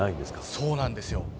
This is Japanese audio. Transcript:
そうなんですよ。